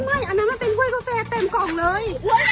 อันนั้นมันเป็นกล้วยกาแฟเต็มกล่องเลย